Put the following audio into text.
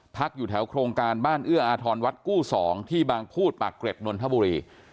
อยู่แถวโครงการบ้านเอื้ออาทรวัดกู้๒ที่บางพูดปากเกร็ดนนทบุรี